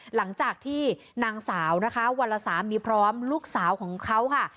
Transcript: หลังจากที่นางสาวนะคะวันละสามีพร้อมลูกสาวของเขาค่ะ